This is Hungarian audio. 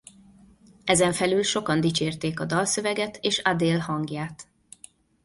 Ezenfelül sokan dicsérték a dalszöveget és Adele hangját.